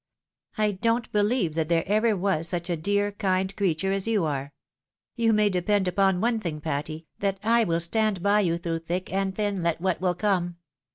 I don't believe that there ever was such a dear, kind creature as you are ! You may depend upon one thing, Patty, that I will stand by you through thick and thin, let what will come.